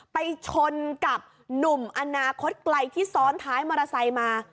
ไปชนกับหนุ่มอนาคตไกลที่ซ้อนท้ายมอเตอร์ไซค์มา